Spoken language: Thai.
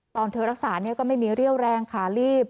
ตอนเธอรักษาก็ไม่มีเรี่ยวแรงขาลีบ